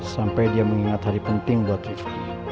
sampai dia mengingat hari penting buat rifki